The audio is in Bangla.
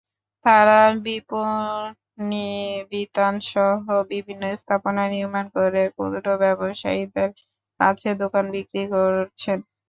তাঁরা বিপণিবিতানসহ বিভিন্ন স্থাপনা নির্মাণ করে ক্ষুদ্র ব্যবসায়ীদের কাছে দোকান বিক্রি করছেন।